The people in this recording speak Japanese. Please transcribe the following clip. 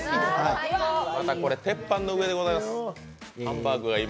またこれ鉄板の上でございます、ハンバーグ。